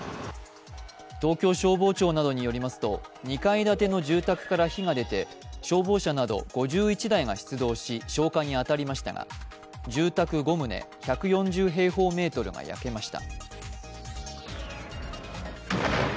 東京消防庁などによりますと、２階建ての住宅から火が出て消防車など５１台が出動し消火に当たりましたが住宅５棟、１４０平方メートルが焼けました。